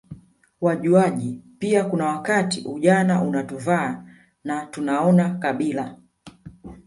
wajuaji pia kuna wakati ujana unatuvaa na tunaona kabila